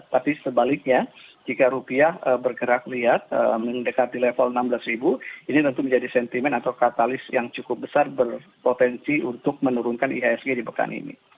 tapi sebaliknya jika rupiah bergerak lihat mendekati level enam belas ini tentu menjadi sentimen atau katalis yang cukup besar berpotensi untuk menurunkan ihsg di pekan ini